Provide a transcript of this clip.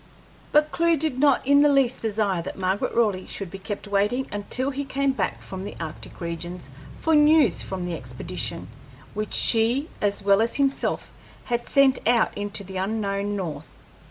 But Clewe did not in the least desire that Margaret Raleigh should be kept waiting until he came back from the arctic regions for news from the expedition, which she as well as himself had sent out into the unknown North.